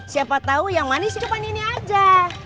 siapa tahu yang manis coba ini aja